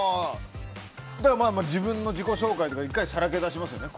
自分の自己紹介とか１回、さらけ出しますよね。